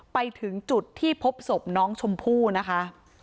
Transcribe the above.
ไปถึงจุดที่พบศพน้องชมพู่นะคะ